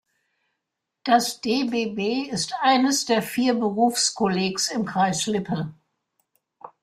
Das dbb ist eines der vier Berufskollegs im Kreis Lippe.